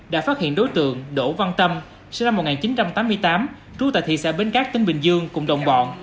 đã phát hiện đối tượng đỗ văn tâm sinh năm một nghìn chín trăm tám mươi tám trú tại thị xã bến cát tỉnh bình dương cùng đồng bọn